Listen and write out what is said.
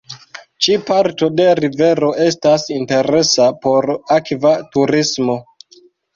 Ĉi parto de rivero estas interesa por akva turismo.